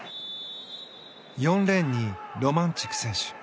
４レーンにロマンチュク選手。